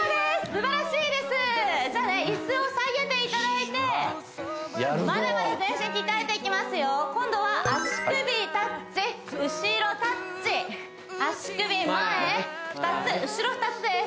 すばらしいですじゃあね椅子を下げていただいてまだまだ全身鍛えていきますよ今度は足首タッチ後ろタッチ足首前２つ後ろ２つです